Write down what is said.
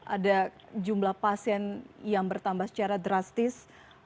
ada jumlah pasien yang bertambah secara drastis